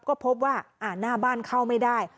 ก็พบว่าหน้าบ้านเข้าไม่ได้